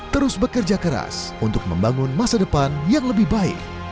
terus bekerja keras untuk membangun masa depan yang lebih baik